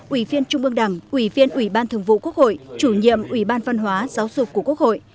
ủy viên trung ương đảng ủy viên ủy ban thường vụ quốc hội chủ nhiệm ủy ban văn hóa giáo dục của quốc hội